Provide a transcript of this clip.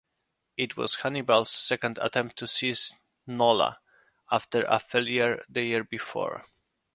It was Hannibal's second attempt to seize Nola after a failure the year before.